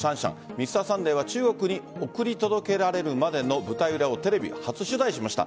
「Ｍｒ．サンデー」は中国に送り届けられるまでの舞台裏をテレビ初取材しました。